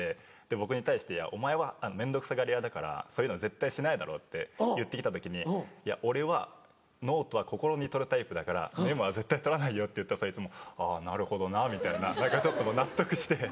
僕に対して「お前は面倒くさがり屋だからそういうの絶対しないだろ」って言って来た時に「俺はノートは心に取るタイプだからメモは絶対取らないよ」って言ったらそいつも「あぁなるほどな」みたいな何かちょっと納得して。